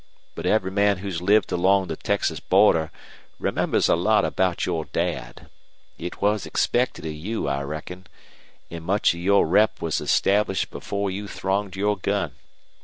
But every man who's lived along the Texas border remembers a lot about your Dad. It was expected of you, I reckon, an' much of your rep was established before you thronged your gun.